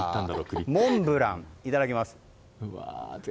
モンブラン、いただきます。